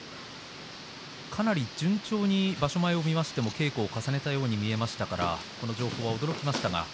かなり順調に場所前は稽古を重ねたように見えましたからこの情報は驚きました。